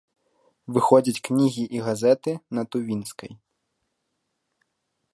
Выходзяць кнігі і газеты на тувінскай.